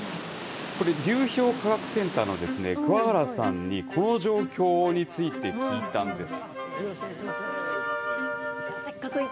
これ流氷科学センターのですね桑原さんにこの状況について聞いたんです。